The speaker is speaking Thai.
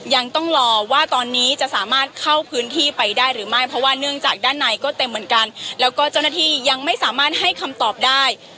ยังต้องรอว่าตอนนี้จะสามารถเข้าพื้นที่ไปได้หรือไม่เพราะว่าเนื่องจากด้านในก็เต็มเหมือนกันแล้วก็เจ้าหน้าที่ยังไม่สามารถให้คำตอบได้